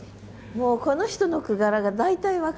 もうこの人の句柄が大体分かりました。